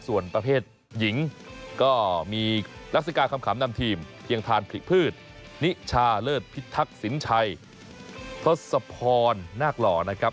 ส่วนประเภทหญิงก็มีลักษณะคำขำนำทีมเพียงทานผลิพืชนิชาเลิศพิทักษิณชัยทศพรนาคหล่อนะครับ